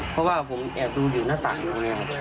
เพราะว่าผมแอบดูอยู่หน้าตากันอย่างนี้